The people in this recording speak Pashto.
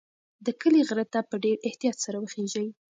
د کلي غره ته په ډېر احتیاط سره وخیژئ.